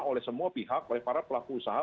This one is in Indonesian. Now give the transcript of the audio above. oleh semua pihak oleh para pelaku usaha